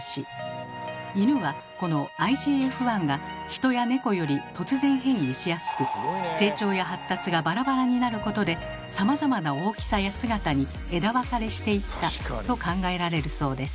イヌはこのＩＧＦ１がヒトやネコより突然変異しやすく成長や発達がバラバラになることでさまざまな大きさや姿に枝分かれしていったと考えられるそうです。